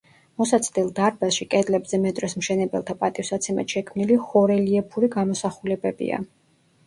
მოსაცდელ დარბაზში კედლებზე მეტროს მშენებელთა პატივსაცემად შექმნილი ჰორელიეფური გამოსახულებებია.